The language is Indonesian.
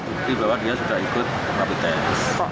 bukti bahwa dia sudah ikut rapid test